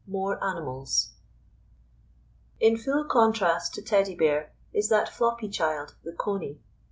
] IN full contrast to Teddy bear is that floppy child, the Coney.